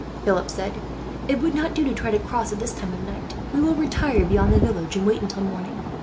Philip said. "It would not do to try to cross, at this time of night. We will retire beyond the village, and wait until morning."